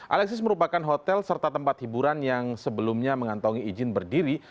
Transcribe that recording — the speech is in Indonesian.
alexis merupakan hotel serta tempat hiburan yang sebelumnya mengantongi izin berdiri